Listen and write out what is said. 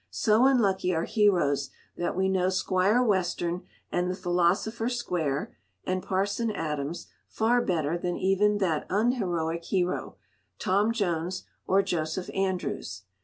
So unlucky are heroes that we know Squire Western and the Philosopher Square and Parson Adams far better than even that unheroic hero, Tom Jones, or Joseph Andrews.